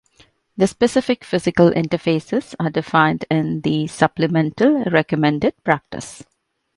The specific physical interfaces are defined in the supplemental recommended practices.